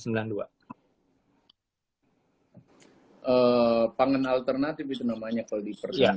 pangan alternatif itu namanya kalau di pertanian